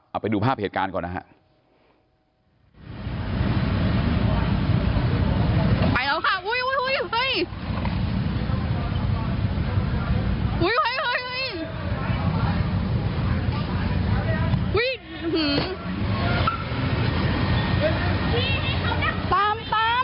เอาไปดูภาพเหตุการณ์ก่อนนะฮะ